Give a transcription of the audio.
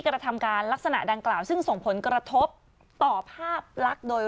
กระทำการลักษณะดังกล่าวซึ่งส่งผลกระทบต่อภาพลักษณ์โดย